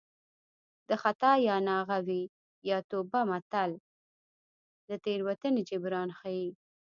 د خطا یا ناغه وي یا توبه متل د تېروتنې جبران ښيي